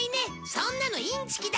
そんなのインチキだ